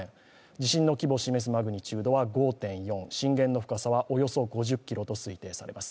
地震の規模を示すマグニチュードは５．４、震源の深さはおよそ５０ｋｍと推定されます。